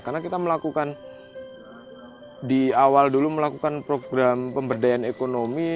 karena kita melakukan di awal dulu melakukan program pemberdayaan ekonomi